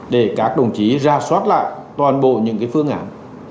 để các đồng chí ra soát lại toàn bộ những phương án